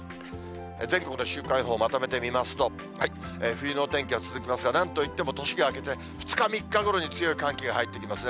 全国の週間予報まとめてみますと、冬のお天気が続きますが、なんといっても年が明けて、２日、３日ごろに強い寒気が入ってきますね。